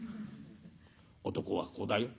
男はここだよ。